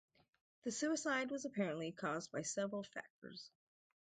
The suicide was apparently caused by several factors.